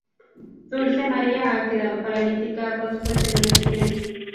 Dulce María ha quedado paralítica a consecuencia de un accidente.